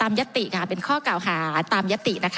ผมจะขออนุญาตให้ท่านอาจารย์วิทยุซึ่งรู้เรื่องกฎหมายดีเป็นผู้ชี้แจงนะครับ